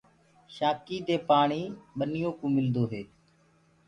شآکينٚ دي پآڻي ٻنيوڪوُ ملدو هي۔